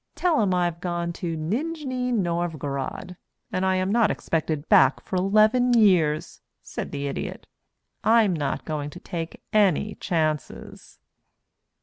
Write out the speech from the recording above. "Tell 'em I've gone to Nidjni Novgorod and am not expected back for eleven years," said the Idiot. "I'm not going to take any chances."